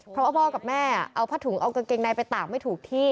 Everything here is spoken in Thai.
เพราะว่าพ่อกับแม่เอาผ้าถุงเอากางเกงในไปตากไม่ถูกที่